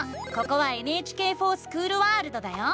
ここは「ＮＨＫｆｏｒＳｃｈｏｏｌワールド」だよ！